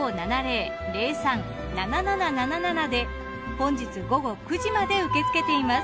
本日午後９時まで受け付けています。